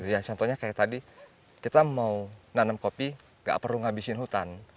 ya contohnya kayak tadi kita mau nanam kopi gak perlu ngabisin hutan